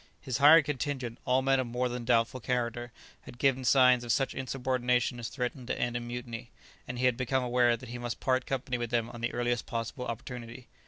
His hired contingent, all men of more than doubtful character, had given signs of such insubordination as threatened to end in mutiny; and he had become aware that he must part company with them on the earliest possible opportunity.